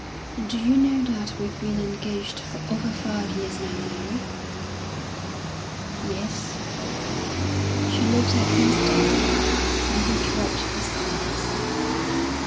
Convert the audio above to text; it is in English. "Do you know that we've been engaged for over five years now, Mary?" "Yes." She looked at him steadily, and he dropped his eyes.